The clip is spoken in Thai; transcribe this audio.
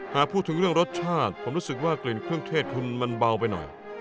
หากพูดถึงเรื่องรสชาติผมรู้สึกว่ากลิ่นเครื่องเทศคุณมันเบาไปหน่อย